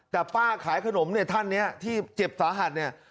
แต่ป้าขายขนมเนี่ยท่านเนี่ยที่เจ็บสาหัสเนี่ย